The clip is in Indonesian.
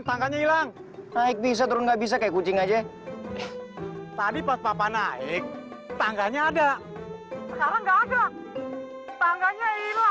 tangganya hilang naik bisa turun nggak bisa kayak kucing aja tadi pas papa naik tangganya ada tangganya